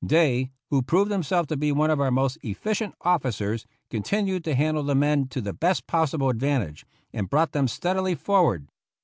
Day, who proved himself to be one of our most efficient officers, continued to handle the men to the best possible advantage, and brought them steadily forward.